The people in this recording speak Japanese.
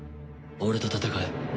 俺と戦え。